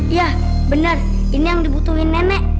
iya benar ini yang dibutuhin nenek